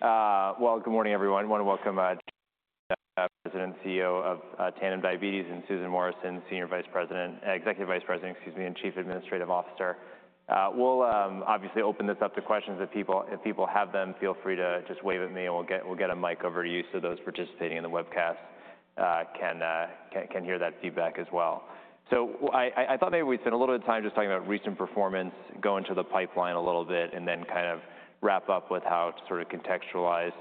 Good morning, everyone. I want to welcome the President and CEO of Tandem Diabetes and Susan Morrison, Senior Vice President, Executive Vice President, excuse me, and Chief Administrative Officer. We'll obviously open this up to questions if people have them. Feel free to just wave at me, and we'll get a mic over to you so those participating in the webcast can hear that feedback as well. I thought maybe we'd spend a little bit of time just talking about recent performance, go into the pipeline a little bit, and then kind of wrap up with how to sort of contextualize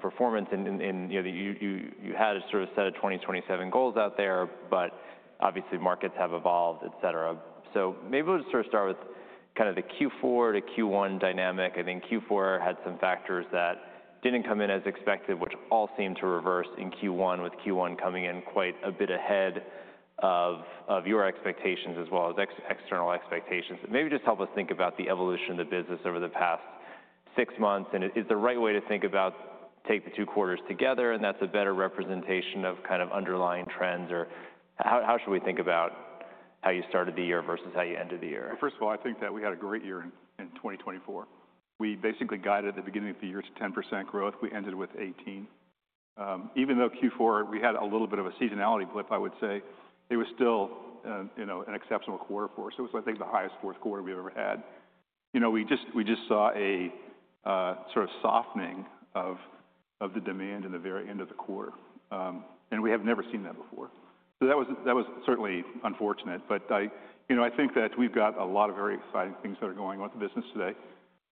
performance. You had a sort of set of 2027 goals out there, but obviously markets have evolved, et cetera. Maybe we'll just sort of start with kind of the Q4 to Q1 dynamic. I think Q4 had some factors that didn't come in as expected, which all seemed to reverse in Q1, with Q1 coming in quite a bit ahead of your expectations as well as external expectations. Maybe just help us think about the evolution of the business over the past six months. Is the right way to think about taking the two quarters together? Is that a better representation of kind of underlying trends? How should we think about how you started the year versus how you ended the year? First of all, I think that we had a great year in 2024. We basically guided at the beginning of the year to 10% growth. We ended with 18%. Even though Q4, we had a little bit of a seasonality flip, I would say, it was still an exceptional quarter for us. It was, I think, the highest fourth quarter we've ever had. We just saw a sort of softening of the demand in the very end of the quarter. We have never seen that before. That was certainly unfortunate. I think that we've got a lot of very exciting things that are going on with the business today.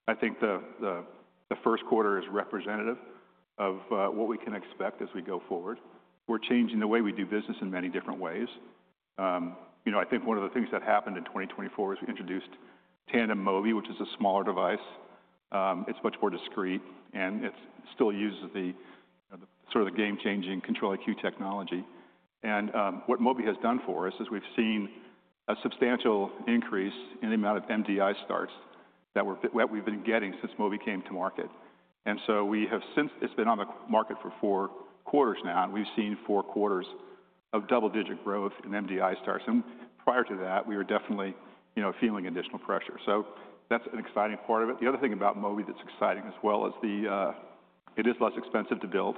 I think the first quarter is representative of what we can expect as we go forward. We're changing the way we do business in many different ways. I think one of the things that happened in 2024 is we introduced Tandem Mobi, which is a smaller device. It's much more discreet, and it still uses the sort of game-changing Control-IQ technology. What Mobi has done for us is we've seen a substantial increase in the amount of MDI starts that we've been getting since Mobi came to market. We have, since it's been on the market for four quarters now, and we've seen four quarters of double-digit growth in MDI starts. Prior to that, we were definitely feeling additional pressure. That's an exciting part of it. The other thing about Mobi that's exciting as well is it is less expensive to build.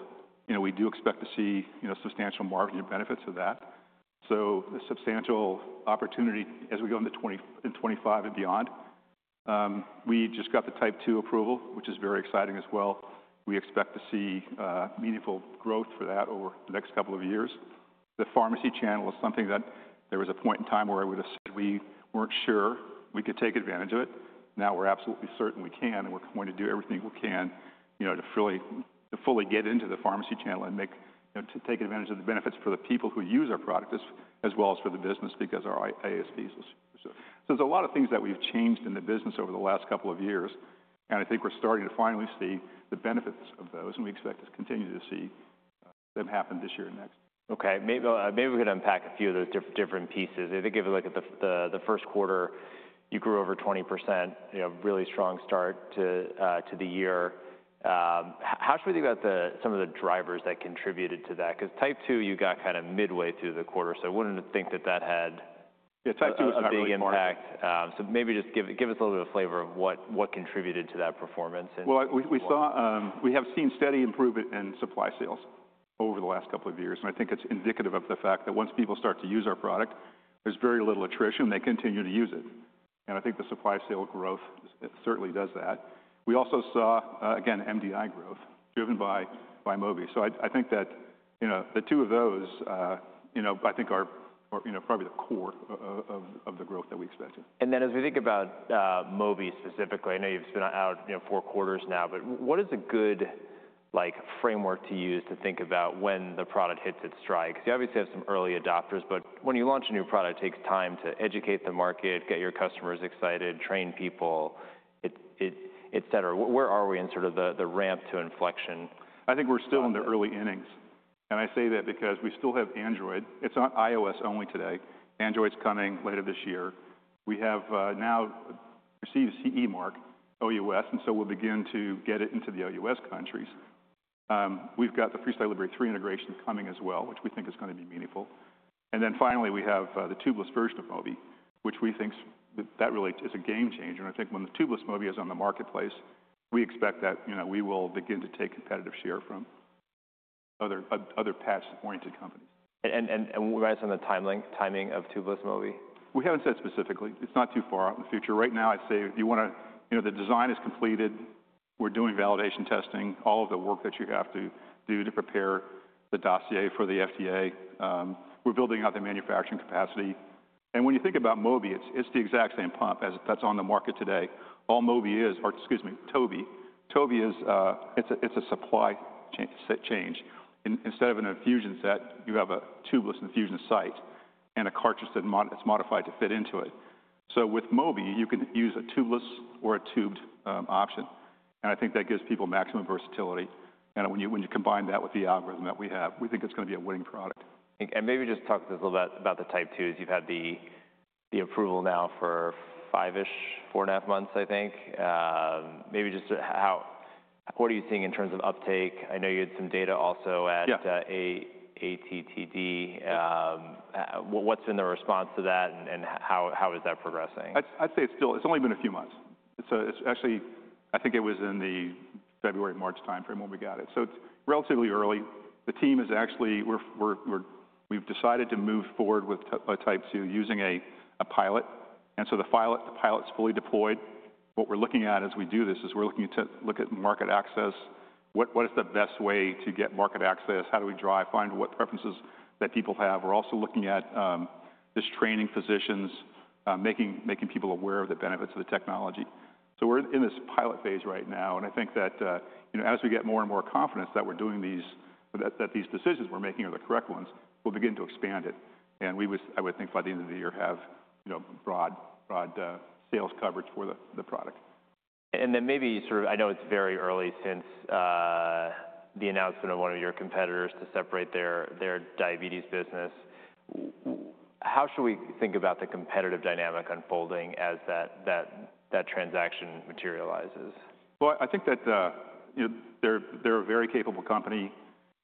We do expect to see substantial marketing benefits of that. The substantial opportunity as we go into 2025 and beyond. We just got the Type II approval, which is very exciting as well. We expect to see meaningful growth for that over the next couple of years. The pharmacy channel is something that there was a point in time where I would have said we were not sure we could take advantage of it. Now we are absolutely certain we can, and we are going to do everything we can to fully get into the pharmacy channel and take advantage of the benefits for the people who use our product as well as for the business because our IASPs will see it. There are a lot of things that we have changed in the business over the last couple of years. I think we are starting to finally see the benefits of those, and we expect to continue to see them happen this year and next. Okay. Maybe we could unpack a few of those different pieces. If you give a look at the first quarter, you grew over 20%, really strong start to the year. How should we think about some of the drivers that contributed to that? Because Type II, you got kind of midway through the quarter. I would not think that that had a big impact. Maybe just give us a little bit of flavor of what contributed to that performance. We have seen steady improvement in supply sales over the last couple of years. I think it's indicative of the fact that once people start to use our product, there's very little attrition. They continue to use it. I think the supply sale growth certainly does that. We also saw, again, MDI growth driven by Mobi. I think that the two of those, I think, are probably the core of the growth that we expected. As we think about Mobi specifically, I know you've been out four quarters now, but what is a good framework to use to think about when the product hits its strike? You obviously have some early adopters, but when you launch a new product, it takes time to educate the market, get your customers excited, train people, et cetera. Where are we in sort of the ramp to inflection? I think we're still in the early innings. I say that because we still have Android. It's not iOS only today. Android's coming later this year. We have now received CE Mark, OUS. We will begin to get it into the OUS countries. We've got the FreeStyle Libre 3 integration coming as well, which we think is going to be meaningful. Finally, we have the tubeless version of Mobi, which we think really is a game changer. I think when the tubeless Mobi is on the marketplace, we expect that we will begin to take competitive share from other patch-oriented companies. What about some of the timing of tubeless Mobi? We haven't said specifically. It's not too far out in the future. Right now, I'd say you want to, the design is completed. We're doing validation testing, all of the work that you have to do to prepare the dossier for the FDA. We're building out the manufacturing capacity. When you think about Mobi, it's the exact same pump that's on the market today. All Mobi is, or excuse me, Tubeless Mobi. Tubeless Mobi is, it's a supply change. Instead of an infusion set, you have a tubeless infusion site and a cartridge that's modified to fit into it. With Mobi, you can use a tubeless or a tubed option. I think that gives people maximum versatility. When you combine that with the algorithm that we have, we think it's going to be a winning product. Maybe just talk to us a little bit about the Type IIs. You've had the approval now for five-ish, four and a half months, I think. Maybe just what are you seeing in terms of uptake? I know you had some data also at ATTD. What's been the response to that, and how is that progressing? I'd say it's only been a few months. Actually, I think it was in the February-March time frame when we got it. It is relatively early. The team is actually, we've decided to move forward with Type II using a pilot. The pilot is fully deployed. What we're looking at as we do this is we're looking to look at market access. What is the best way to get market access? How do we drive, find what preferences that people have? We're also looking at just training physicians, making people aware of the benefits of the technology. We are in this pilot phase right now. I think that as we get more and more confidence that we're doing these, that these decisions we're making are the correct ones, we'll begin to expand it. I would think by the end of the year, have broad sales coverage for the product. Maybe sort of I know it's very early since the announcement of one of your competitors to separate their diabetes business. How should we think about the competitive dynamic unfolding as that transaction materializes? I think that they're a very capable company.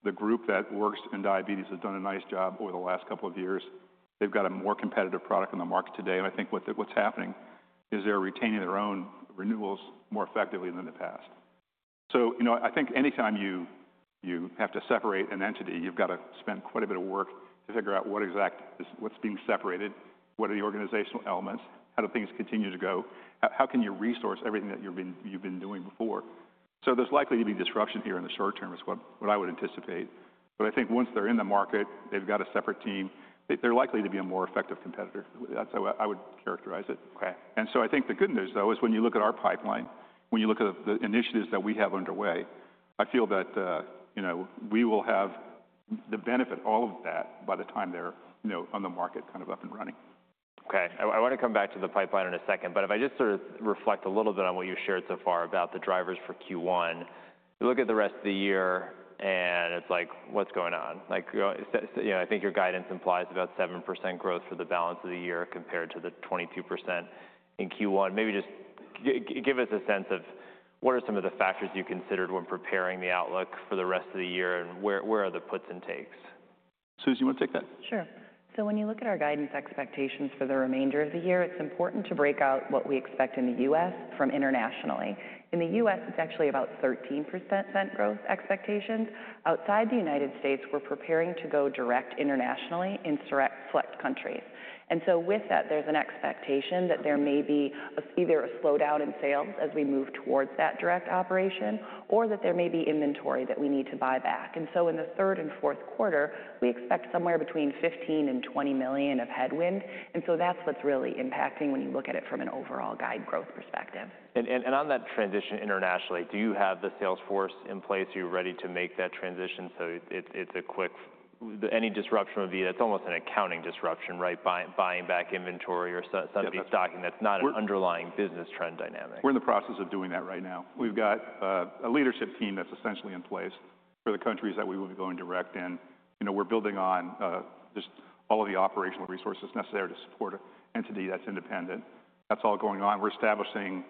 The group that works in diabetes has done a nice job over the last couple of years. They've got a more competitive product on the market today. I think what's happening is they're retaining their own renewals more effectively than in the past. I think anytime you have to separate an entity, you've got to spend quite a bit of work to figure out what exactly is what's being separated, what are the organizational elements, how do things continue to go, how can you resource everything that you've been doing before. There's likely to be disruption here in the short term is what I would anticipate. I think once they're in the market, they've got a separate team. They're likely to be a more effective competitor. That's how I would characterize it. I think the good news, though, is when you look at our pipeline, when you look at the initiatives that we have underway, I feel that we will have the benefit of all of that by the time they're on the market kind of up and running. Okay. I want to come back to the pipeline in a second. If I just sort of reflect a little bit on what you've shared so far about the drivers for Q1, you look at the rest of the year, and it's like, what's going on? I think your guidance implies about 7% growth for the balance of the year compared to the 22% in Q1. Maybe just give us a sense of what are some of the factors you considered when preparing the outlook for the rest of the year, and where are the puts and takes? Susie, you want to take that? Sure. When you look at our guidance expectations for the remainder of the year, it's important to break out what we expect in the U.S. from internationally. In the U.S., it's actually about 13% growth expectations. Outside the United States, we're preparing to go direct internationally in select countries. With that, there's an expectation that there may be either a slowdown in sales as we move towards that direct operation, or that there may be inventory that we need to buy back. In the third and fourth quarter, we expect somewhere between $15 million-$20 million of headwind. That's what's really impacting when you look at it from an overall guide growth perspective. On that transition internationally, do you have the sales force in place? Are you ready to make that transition so it is a quick, any disruption would be, that is almost an accounting disruption, right, buying back inventory or some of these stocking, that is not an underlying business trend dynamic? We're in the process of doing that right now. We've got a leadership team that's essentially in place for the countries that we will be going direct in. We're building on just all of the operational resources necessary to support an entity that's independent. That's all going on. We're establishing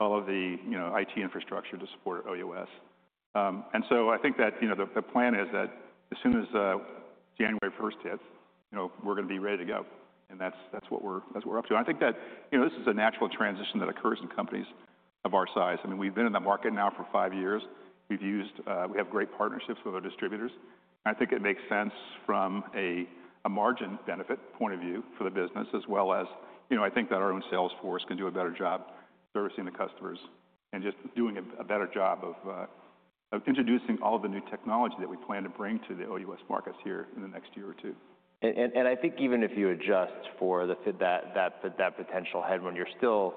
all of the IT infrastructure to support OUS. I think that the plan is that as soon as January 1st hits, we're going to be ready to go. That's what we're up to. I think that this is a natural transition that occurs in companies of our size. I mean, we've been in the market now for five years. We have great partnerships with our distributors. I think it makes sense from a margin benefit point of view for the business, as well as I think that our own sales force can do a better job servicing the customers and just doing a better job of introducing all of the new technology that we plan to bring to the OUS markets here in the next year or two. I think even if you adjust for that potential headwind, you're still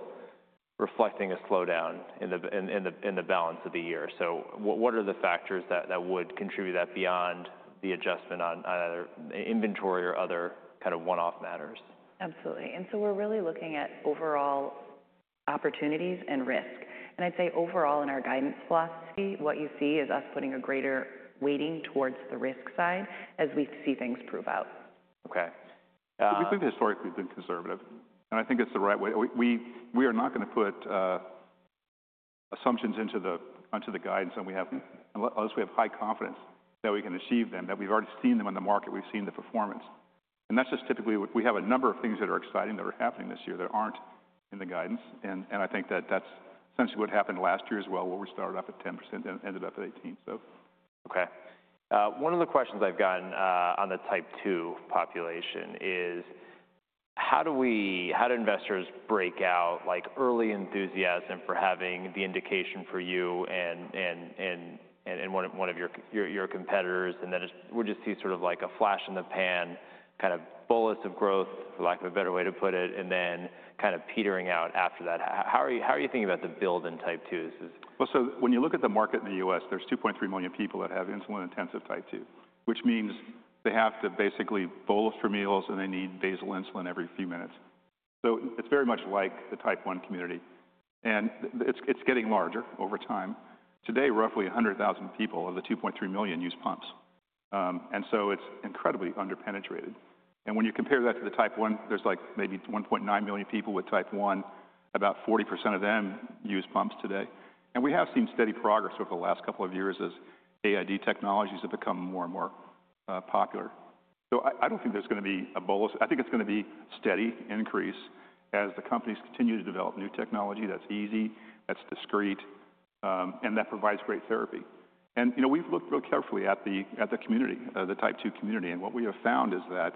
reflecting a slowdown in the balance of the year. What are the factors that would contribute to that beyond the adjustment on either inventory or other kind of one-off matters? Absolutely. We are really looking at overall opportunities and risk. I would say overall in our guidance philosophy, what you see is us putting a greater weighting towards the risk side as we see things prove out. I think we've historically been conservative. I think it's the right way. We are not going to put assumptions into the guidance that we have unless we have high confidence that we can achieve them, that we've already seen them in the market, we've seen the performance. That's just typically we have a number of things that are exciting that are happening this year that aren't in the guidance. I think that that's essentially what happened last year as well, where we started off at 10% and ended up at 18%. Okay. One of the questions I've gotten on the Type II population is, how do investors break out early enthusiasm for having the indication for you and one of your competitors? We just see sort of like a flash in the pan, kind of bolus of growth, for lack of a better way to put it, and then kind of petering out after that. How are you thinking about the build in Type II? When you look at the market in the U.S., there's 2.3 million people that have insulin-intensive Type II, which means they have to basically bolus for meals, and they need basal insulin every few minutes. It is very much like the Type I community. It is getting larger over time. Today, roughly 100,000 people of the 2.3 million use pumps. It is incredibly underpenetrated. When you compare that to the Type I, there's maybe 1.9 million people with Type I. About 40% of them use pumps today. We have seen steady progress over the last couple of years as AID technologies have become more and more popular. I do not think there is going to be a bolus. I think it is going to be a steady increase as the companies continue to develop new technology that is easy, that is discreet, and that provides great therapy. We have looked real carefully at the community, the Type II community. What we have found is that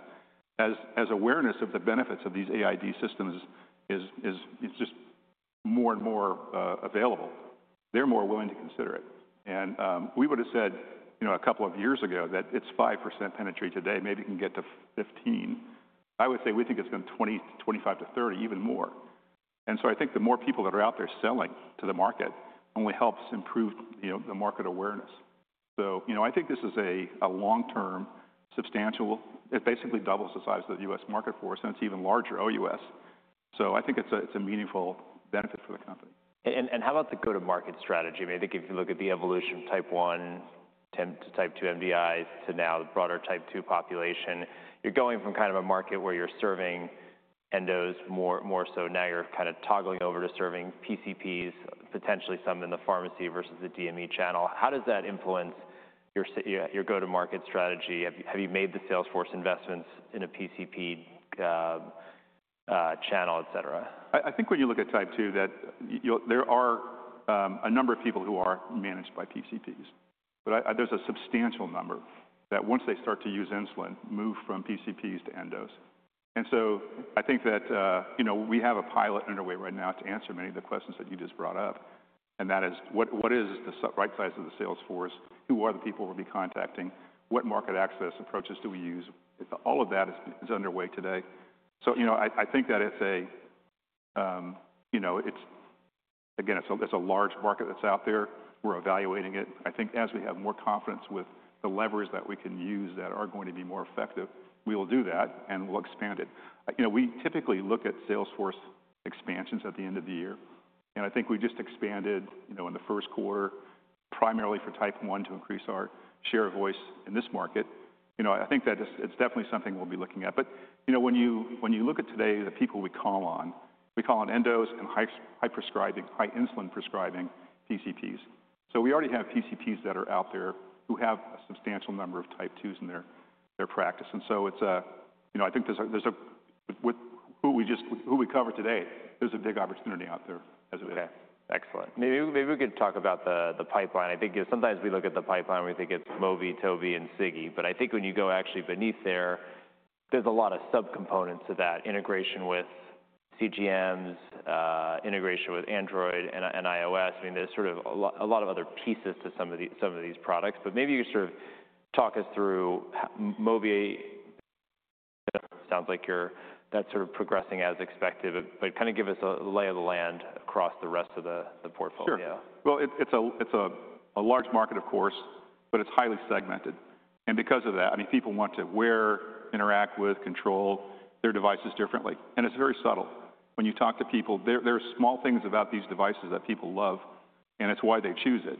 as awareness of the benefits of these AID systems is just more and more available, they're more willing to consider it. We would have said a couple of years ago that it's 5% penetration. Today, maybe it can get to 15%. I would say we think it's been 20%-25%-30%, even more. I think the more people that are out there selling to the market only helps improve the market awareness. I think this is a long-term substantial, it basically doubles the size of the US market force, and it's even larger OUS. I think it's a meaningful benefit for the company. How about the go-to-market strategy? I mean, I think if you look at the evolution of Type I, Type II MDIs to now the broader Type II population, you're going from kind of a market where you're serving endos more so. Now you're kind of toggling over to serving PCPs, potentially some in the pharmacy versus the DME channel. How does that influence your go-to-market strategy? Have you made the sales force investments in a PCP channel, et cetera? I think when you look at Type II, there are a number of people who are managed by PCPs. There is a substantial number that once they start to use insulin, move from PCPs to endos. I think that we have a pilot underway right now to answer many of the questions that you just brought up. That is, what is the right size of the sales force? Who are the people we'll be contacting? What market access approaches do we use? All of that is underway today. I think that it's a, again, it's a large market that's out there. We're evaluating it. I think as we have more confidence with the levers that we can use that are going to be more effective, we will do that and we'll expand it. We typically look at sales force expansions at the end of the year. I think we just expanded in the first quarter primarily for Type I to increase our share of voice in this market. I think that it's definitely something we'll be looking at. When you look at today, the people we call on, we call on endos and high prescribing, high insulin prescribing PCPs. We already have PCPs that are out there who have a substantial number of Type IIs in their practice. I think there's a who we cover today, there's a big opportunity out there as of today. Excellent. Maybe we could talk about the pipeline. I think sometimes we look at the pipeline, we think it's Mobi, Tobi, and Sigi. I think when you go actually beneath there, there's a lot of subcomponents to that integration with CGMs, integration with Android and iOS. I mean, there's sort of a lot of other pieces to some of these products. Maybe you could sort of talk us through Mobi. It sounds like that's sort of progressing as expected. Kind of give us a lay of the land across the rest of the portfolio. Sure. It's a large market, of course, but it's highly segmented. Because of that, I mean, people want to wear, interact with, control their devices differently. It's very subtle. When you talk to people, there are small things about these devices that people love, and it's why they choose it.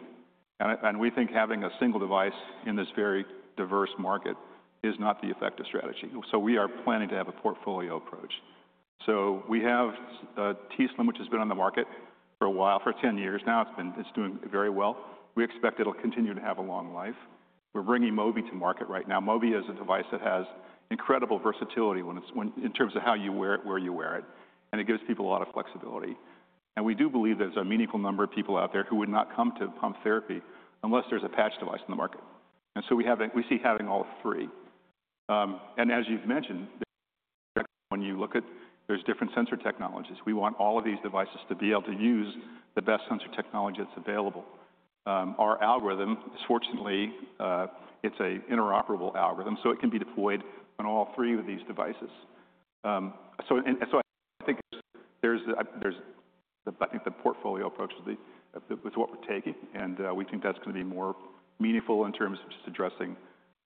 We think having a single device in this very diverse market is not the effective strategy. We are planning to have a portfolio approach. We have t:slim, which has been on the market for a while, for 10 years now. It's doing very well. We expect it'll continue to have a long life. We're bringing Mobi to market right now. Mobi is a device that has incredible versatility in terms of how you wear it, where you wear it. It gives people a lot of flexibility. We do believe there's a meaningful number of people out there who would not come to pump therapy unless there's a patch device in the market. We see having all three. As you've mentioned, when you look at there's different sensor technologies, we want all of these devices to be able to use the best sensor technology that's available. Our algorithm, fortunately, it's an interoperable algorithm, so it can be deployed on all three of these devices. I think the portfolio approach is what we're taking. We think that's going to be more meaningful in terms of just addressing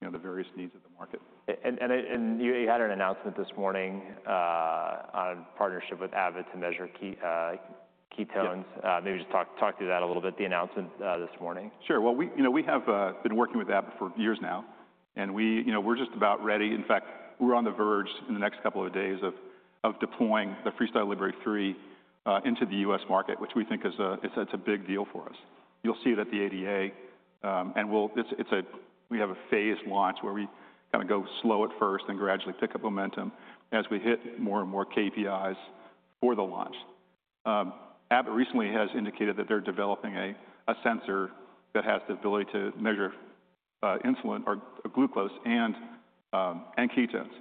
the various needs of the market. You had an announcement this morning on partnership with Abbott to measure ketones. Maybe just talk through that a little bit, the announcement this morning. Sure. We have been working with Abbott for years now. We're just about ready. In fact, we're on the verge in the next couple of days of deploying the FreeStyle Libre 3 into the US market, which we think is a big deal for us. You'll see it at the ADA. We have a phased launch where we kind of go slow at first and gradually pick up momentum as we hit more and more KPIs for the launch. Abbott recently has indicated that they're developing a sensor that has the ability to measure insulin or glucose and ketones.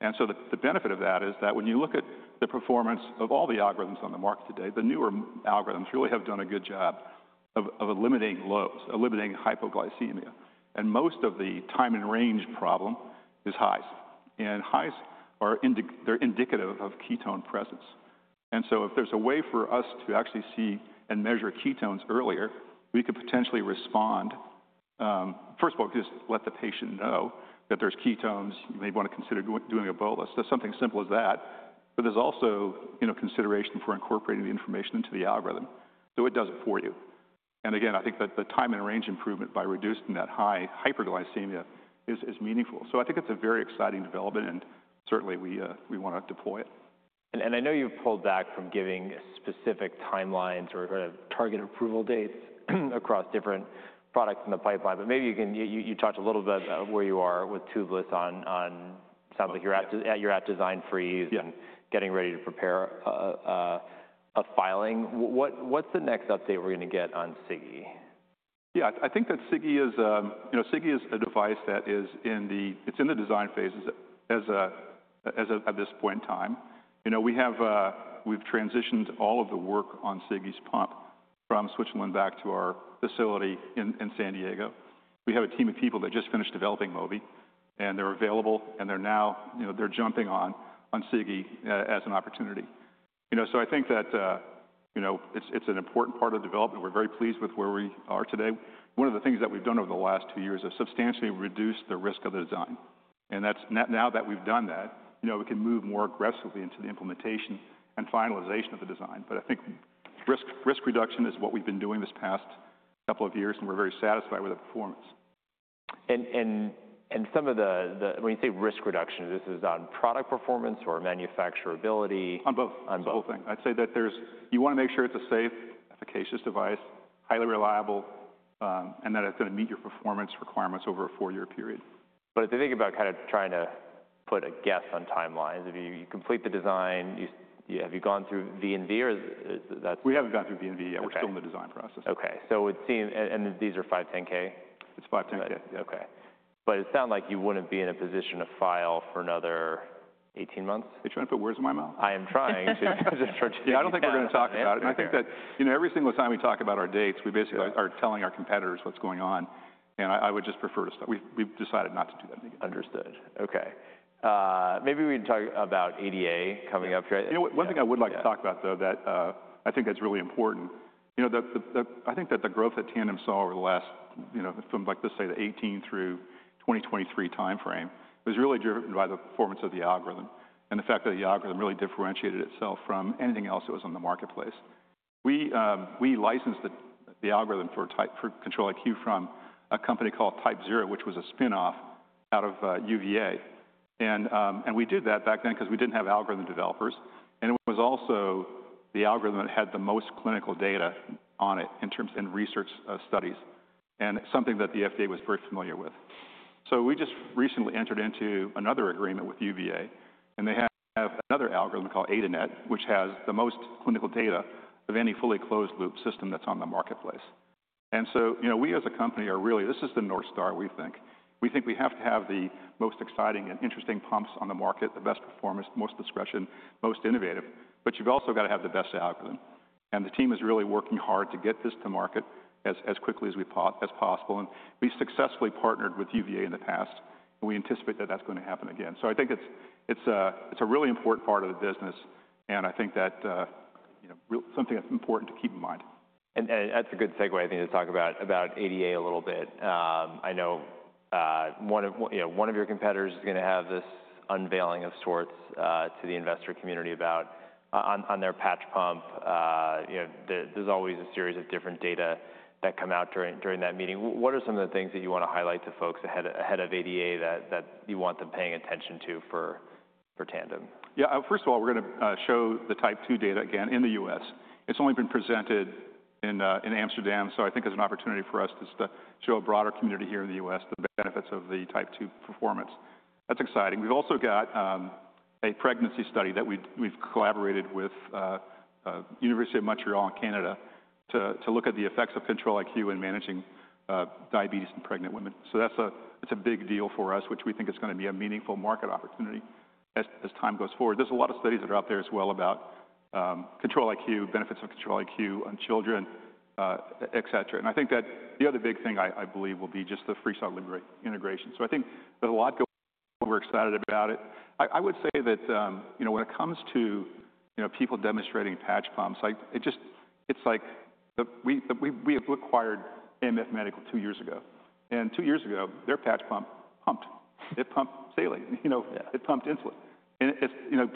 The benefit of that is that when you look at the performance of all the algorithms on the market today, the newer algorithms really have done a good job of eliminating lows, eliminating hypoglycemia. Most of the time and range problem is highs. Highs, they're indicative of ketone presence. If there's a way for us to actually see and measure ketones earlier, we could potentially respond. First of all, just let the patient know that there's ketones. You may want to consider doing a bolus. There's something as simple as that. There's also consideration for incorporating the information into the algorithm. It does it for you. I think that the time and range improvement by reducing that high hyperglycemia is meaningful. I think it's a very exciting development, and certainly we want to deploy it. I know you've pulled back from giving specific timelines or target approval dates across different products in the pipeline. Maybe you talked a little bit about where you are with Tubeless. It sounds like you're at design freeze and getting ready to prepare a filing. What's the next update we're going to get on Siggi? Yeah, I think that Siggi is a device that is in the design phase at this point in time. We've transitioned all of the work on Sigi pump from Switzerland back to our facility in San Diego. We have a team of people that just finished developing Mobi. They're available, and they're now jumping on Siggi as an opportunity. I think that it's an important part of the development. We're very pleased with where we are today. One of the things that we've done over the last two years is substantially reduce the risk of the design. Now that we've done that, we can move more aggressively into the implementation and finalization of the design. I think risk reduction is what we've been doing this past couple of years, and we're very satisfied with the performance. When you say risk reduction, this is on product performance or manufacturability? On both. On both. The whole thing. I'd say that you want to make sure it's a safe, efficacious device, highly reliable, and that it's going to meet your performance requirements over a four-year period. If you think about kind of trying to put a guess on timelines, if you complete the design, have you gone through V&V or is that? We haven't gone through V&V yet. We're still in the design process. Okay. And these are 510(k)? It's 510(k). Okay. It sounds like you wouldn't be in a position to file for another 18 months? Are you trying to put words in my mouth? I am trying to. I do not think we are going to talk about it. I think that every single time we talk about our dates, we basically are telling our competitors what is going on. I would just prefer to stop. We have decided not to do that. Understood. Okay. Maybe we can talk about ADA coming up here. One thing I would like to talk about, though, that I think is really important. I think that the growth that Tandem saw over the last, from, let's say, the 2018 through 2023 timeframe, was really driven by the performance of the algorithm and the fact that the algorithm really differentiated itself from anything else that was on the marketplace. We licensed the algorithm for Control-IQ from a company called TypeZero, which was a spinoff out of UVA. We did that back then because we did not have algorithm developers. It was also the algorithm that had the most clinical data on it in terms of research studies and something that the FDA was very familiar with. We just recently entered into another agreement with UVA, and they have another algorithm called AdaNet, which has the most clinical data of any fully closed-loop system that's on the marketplace. As a company, this is the North Star, we think. We think we have to have the most exciting and interesting pumps on the market, the best performance, most discretion, most innovative. You've also got to have the best algorithm. The team is really working hard to get this to market as quickly as possible. We successfully partnered with UVA in the past, and we anticipate that that's going to happen again. I think it's a really important part of the business, and I think that's something important to keep in mind. That's a good segue, I think, to talk about ADA a little bit. I know one of your competitors is going to have this unveiling of sorts to the investor community about on their patch pump. There's always a series of different data that come out during that meeting. What are some of the things that you want to highlight to folks ahead of ADA that you want them paying attention to for Tandem? Yeah. First of all, we're going to show the Type II data again in the U.S. It's only been presented in Amsterdam. I think it's an opportunity for us to show a broader community here in the U.S. the benefits of the Type II performance. That's exciting. We've also got a pregnancy study that we've collaborated with the University of Montreal in Canada to look at the effects of Control-IQ in managing diabetes in pregnant women. That's a big deal for us, which we think is going to be a meaningful market opportunity as time goes forward. There are a lot of studies that are out there as well about Control-IQ, benefits of Control-IQ on children, et cetera. I think that the other big thing I believe will be just the FreeStyle Libre 3 integration. I think there's a lot going on. We're excited about it. I would say that when it comes to people demonstrating patch pumps, it's like we acquired AMF Medical two years ago. And two years ago, their patch pump pumped. It pumped saline. It pumped insulin.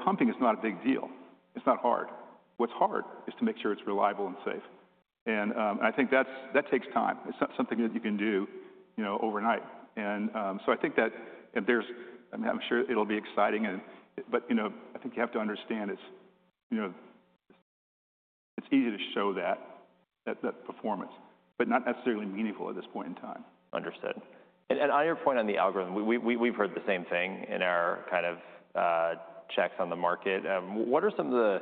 Pumping is not a big deal. It's not hard. What's hard is to make sure it's reliable and safe. I think that takes time. It's not something that you can do overnight. I think that, and I'm sure it'll be exciting. I think you have to understand it's easy to show that performance, but not necessarily meaningful at this point in time. Understood. On your point on the algorithm, we've heard the same thing in our kind of checks on the market. What are some of the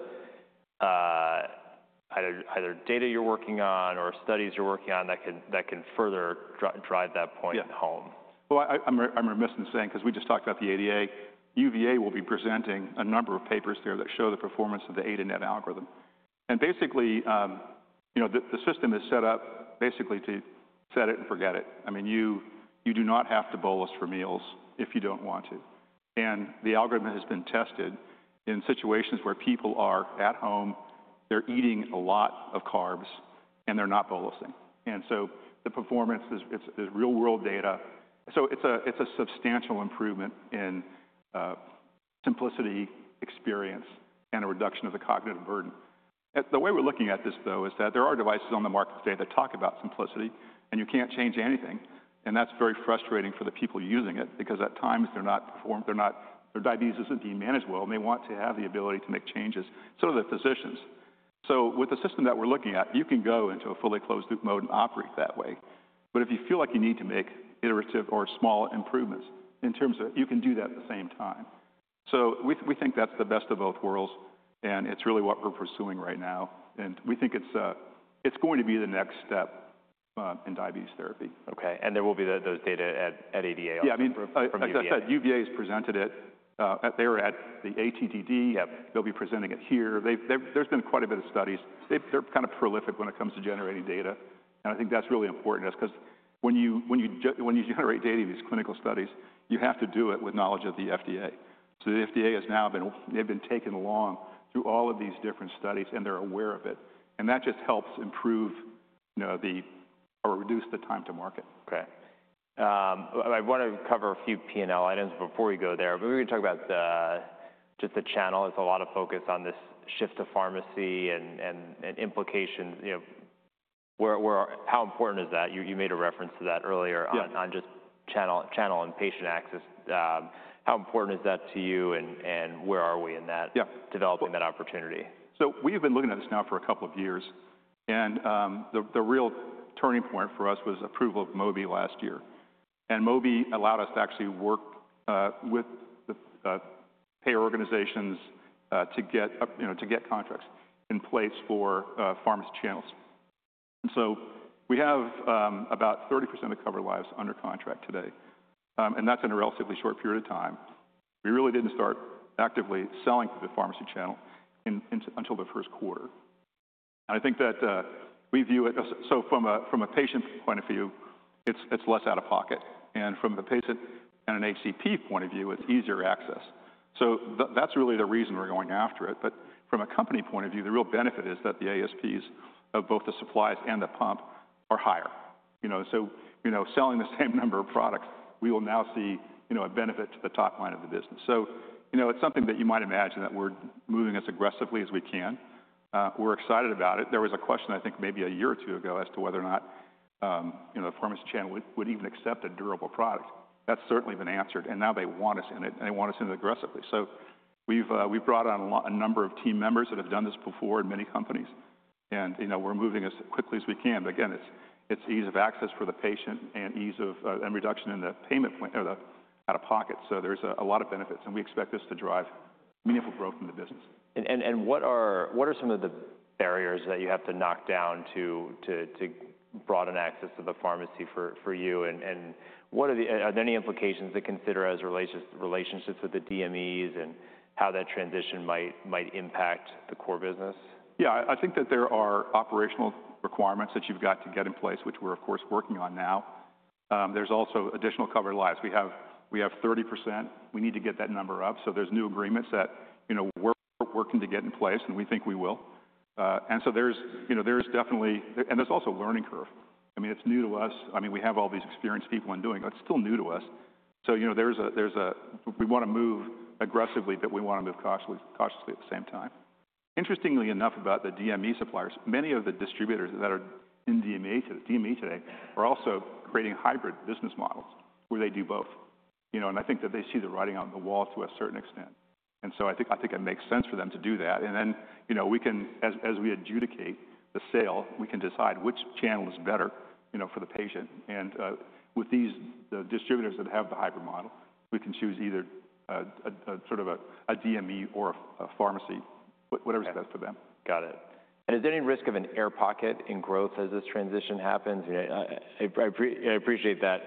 either data you're working on or studies you're working on that can further drive that point home? I'm remiss in saying, because we just talked about the ADA, UVA will be presenting a number of papers there that show the performance of the AdaNet algorithm. Basically, the system is set up basically to set it and forget it. I mean, you do not have to bolus for meals if you do not want to. The algorithm has been tested in situations where people are at home, they are eating a lot of carbs, and they are not bolusing. The performance, it is real-world data. It is a substantial improvement in simplicity, experience, and a reduction of the cognitive burden. The way we are looking at this, though, is that there are devices on the market today that talk about simplicity, and you cannot change anything. That is very frustrating for the people using it, because at times their diabetes is not being managed well, and they want to have the ability to make changes so that the physicians. With the system that we are looking at, you can go into a fully closed-loop mode and operate that way. If you feel like you need to make iterative or small improvements, you can do that at the same time. We think that is the best of both worlds, and it is really what we are pursuing right now. We think it is going to be the next step in diabetes therapy. Okay. There will be those data at ADA also. Yeah. I mean, as I said, UVA has presented it. They're at the ATTD. They'll be presenting it here. There's been quite a bit of studies. They're kind of prolific when it comes to generating data. I think that's really important to us, because when you generate data, these clinical studies, you have to do it with knowledge of the FDA. The FDA has now been taken along through all of these different studies, and they're aware of it. That just helps improve or reduce the time to market. Okay. I want to cover a few P&L items before we go there. We're going to talk about just the channel. There's a lot of focus on this shift to pharmacy and implications. How important is that? You made a reference to that earlier on just channel and patient access. How important is that to you, and where are we in that developing that opportunity? We've been looking at this now for a couple of years. The real turning point for us was approval of Mobi last year. Mobi allowed us to actually work with payer organizations to get contracts in place for pharmacy channels. We have about 30% of covered lives under contract today. That's in a relatively short period of time. We really didn't start actively selling through the pharmacy channel until the first quarter. I think that we view it, from a patient point of view, as less out of pocket. From a patient and an ACP point of view, it's easier access. That's really the reason we're going after it. From a company point of view, the real benefit is that the ASPs of both the supplies and the pump are higher. Selling the same number of products, we will now see a benefit to the top line of the business. It is something that you might imagine that we are moving as aggressively as we can. We are excited about it. There was a question, I think, maybe a year or two ago as to whether or not the pharmacy channel would even accept a durable product. That has certainly been answered. Now they want us in it, and they want us in it aggressively. We have brought on a number of team members that have done this before in many companies. We are moving as quickly as we can. Again, it is ease of access for the patient and reduction in the payment point or the out-of-pocket. There are a lot of benefits. We expect this to drive meaningful growth in the business. What are some of the barriers that you have to knock down to broaden access to the pharmacy for you? Are there any implications to consider as relationships with the DMEs and how that transition might impact the core business? Yeah. I think that there are operational requirements that you've got to get in place, which we're, of course, working on now. There's also additional covered lives. We have 30%. We need to get that number up. So there's new agreements that we're working to get in place, and we think we will. There's definitely, and there's also a learning curve. I mean, it's new to us. I mean, we have all these experienced people in doing it. It's still new to us. We want to move aggressively, but we want to move cautiously at the same time. Interestingly enough, about the DME suppliers, many of the distributors that are in DME today are also creating hybrid business models where they do both. I think that they see the writing on the wall to a certain extent. I think it makes sense for them to do that. Then as we adjudicate the sale, we can decide which channel is better for the patient. With the distributors that have the hybrid model, we can choose either sort of a DME or a pharmacy, whatever's best for them. Got it. Is there any risk of an air pocket in growth as this transition happens? I appreciate that.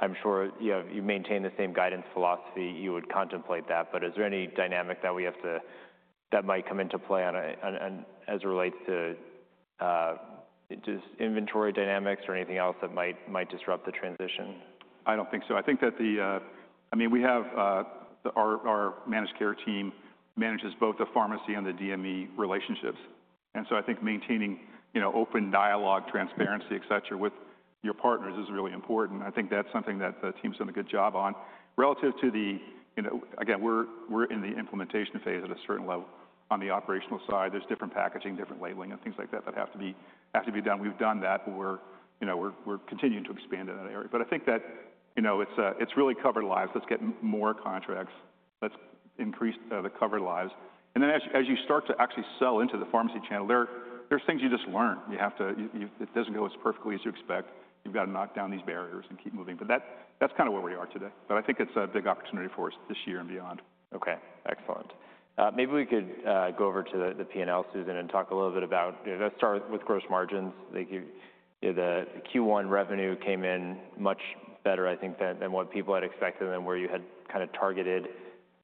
I'm sure you maintain the same guidance philosophy. You would contemplate that. Is there any dynamic that we have to that might come into play as it relates to just inventory dynamics or anything else that might disrupt the transition? I don't think so. I think that the, I mean, we have our managed care team manages both the pharmacy and the DME relationships. I think maintaining open dialogue, transparency, et cetera, with your partners is really important. I think that's something that the team's done a good job on. Relative to the, again, we're in the implementation phase at a certain level on the operational side. There's different packaging, different labeling, and things like that that have to be done. We've done that. We're continuing to expand in that area. I think that it's really cover lives. Let's get more contracts. Let's increase the cover lives. As you start to actually sell into the pharmacy channel, there's things you just learn. It doesn't go as perfectly as you expect. You've got to knock down these barriers and keep moving. That's kind of where we are today. I think it's a big opportunity for us this year and beyond. Okay. Excellent. Maybe we could go over to the P&L, Susan, and talk a little bit about, let's start with gross margins. The Q1 revenue came in much better, I think, than what people had expected than where you had kind of targeted.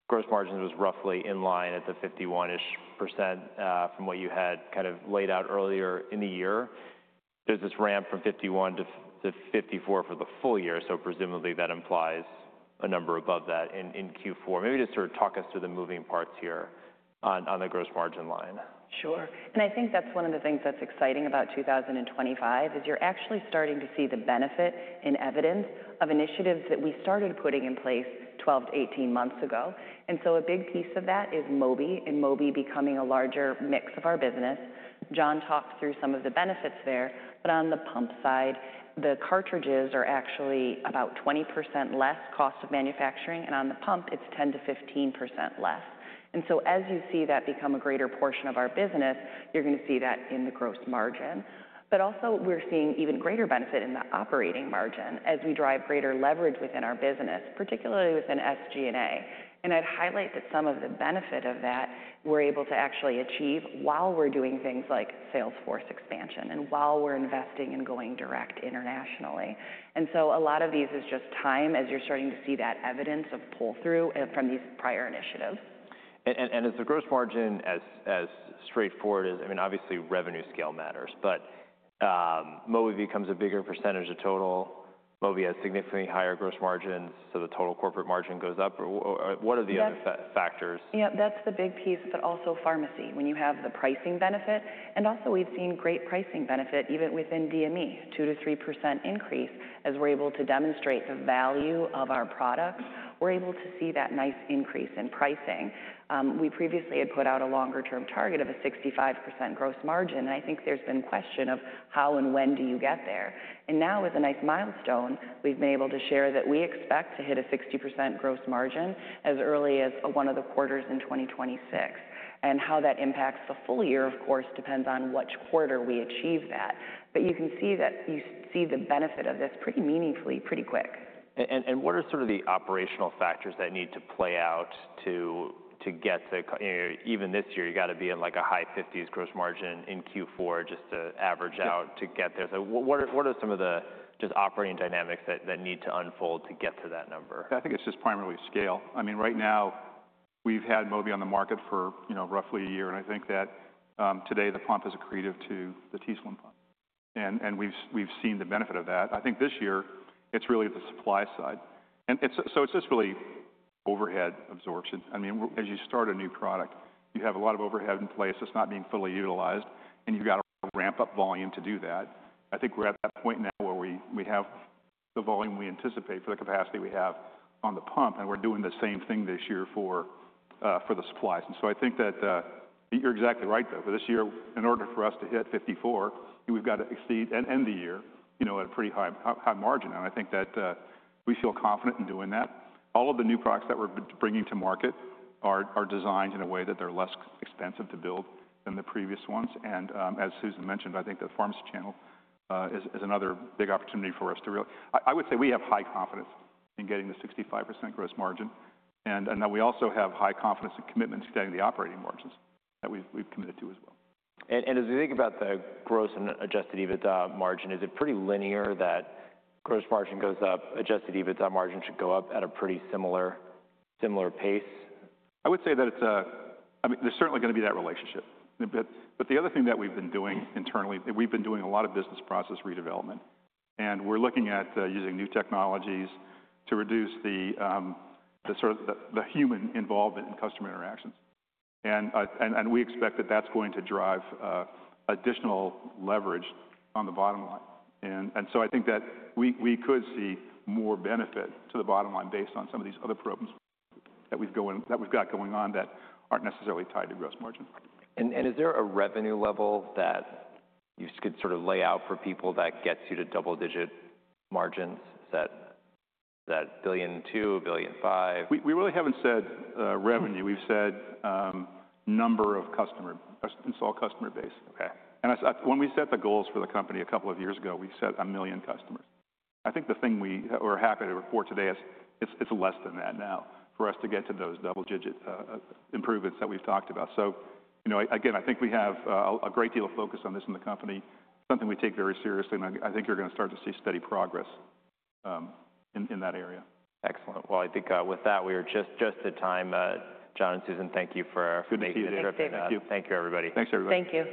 Gross margins was roughly in line at the 51-ish percent from what you had kind of laid out earlier in the year. There's this ramp from 51%-54% for the full year. So presumably that implies a number above that in Q4. Maybe just sort of talk us through the moving parts here on the gross margin line. Sure. I think that's one of the things that's exciting about 2025 is you're actually starting to see the benefit and evidence of initiatives that we started putting in place 12 months - 18 months ago. A big piece of that is Mobi and Mobi becoming a larger mix of our business. John talked through some of the benefits there. On the pump side, the cartridges are actually about 20% less cost of manufacturing. On the pump, it's 10-15% less. As you see that become a greater portion of our business, you're going to see that in the gross margin. Also, we're seeing even greater benefit in the operating margin as we drive greater leverage within our business, particularly within SG&A. I would highlight that some of the benefit of that we are able to actually achieve while we are doing things like Salesforce expansion and while we are investing and going direct internationally. A lot of these is just time as you are starting to see that evidence of pull-through from these prior initiatives. Is the gross margin as straightforward as, I mean, obviously revenue scale matters. Mobi becomes a bigger percentage of total. Mobi has significantly higher gross margins, so the total corporate margin goes up. What are the other factors? Yeah. That's the big piece, but also pharmacy, when you have the pricing benefit. And also, we've seen great pricing benefit even within DME, 2-3% increase. As we're able to demonstrate the value of our products, we're able to see that nice increase in pricing. We previously had put out a longer-term target of a 65% gross margin. And I think there's been question of how and when do you get there. And now, as a nice milestone, we've been able to share that we expect to hit a 60% gross margin as early as one of the quarters in 2026. And how that impacts the full year, of course, depends on which quarter we achieve that. But you can see that you see the benefit of this pretty meaningfully, pretty quick. What are sort of the operational factors that need to play out to get to, even this year, you've got to be in like a high 50s gross margin in Q4 just to average out to get there. What are some of the just operating dynamics that need to unfold to get to that number? I think it's just primarily scale. I mean, right now, we've had Mobi on the market for roughly a year. I think that today, the pump is accretive to the t:slim pump. We've seen the benefit of that. I think this year, it's really the supply side. It's just really overhead absorption. I mean, as you start a new product, you have a lot of overhead in place that's not being fully utilized. You've got to ramp up volume to do that. I think we're at that point now where we have the volume we anticipate for the capacity we have on the pump. We're doing the same thing this year for the supplies. I think that you're exactly right, though. This year, in order for us to hit 54, we have to exceed and end the year at a pretty high margin. I think that we feel confident in doing that. All of the new products that we are bringing to market are designed in a way that they are less expensive to build than the previous ones. As Susan mentioned, I think the pharmacy channel is another big opportunity for us to really, I would say we have high confidence in getting the 65% gross margin. We also have high confidence and commitment to getting the operating margins that we have committed to as well. As we think about the gross and adjusted EBITDA margin, is it pretty linear that gross margin goes up, adjusted EBITDA margin should go up at a pretty similar pace? I would say that it's, I mean, there's certainly going to be that relationship. The other thing that we've been doing internally, we've been doing a lot of business process redevelopment. We're looking at using new technologies to reduce the sort of the human involvement in customer interactions. We expect that that's going to drive additional leverage on the bottom line. I think that we could see more benefit to the bottom line based on some of these other problems that we've got going on that aren't necessarily tied to gross margin. Is there a revenue level that you could sort of lay out for people that gets you to double-digit margins? Is that $1.2 billion, $1.5 billion? We really haven't said revenue. We've said number of customers, install customer base. When we set the goals for the company a couple of years ago, we set a million customers. I think the thing we're happy to report today is it's less than that now for us to get to those double-digit improvements that we've talked about. I think we have a great deal of focus on this in the company, something we take very seriously. I think you're going to start to see steady progress in that area. Excellent. I think with that, we are just at time. John and Susan, thank you for making the trip today. Good to see you. Thank you. Thank you, everybody. Thanks, everybody. Thank you.